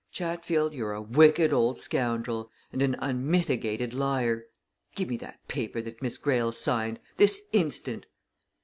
"Chatfield, you're a wicked old scoundrel, and an unmitigated liar! Give me that paper that Miss Greyle signed, this instant!"